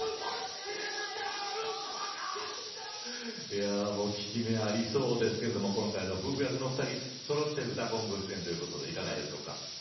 いやぁもう効き目ありそうですけれども今回の夫婦役のお二人そろって「うたコン」ご出演ということでいかがでしょうか？